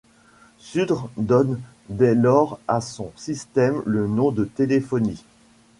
Sudre donne dès lors à son système le nom de téléphonie.